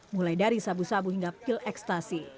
mulai dari sabu sabu hingga pil ekstasi